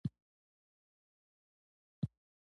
يوه ورځ يو ادیب او شاعر چې مشهور وو پوښتنه وکړه.